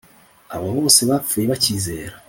Abo bose bapfuye bacyizera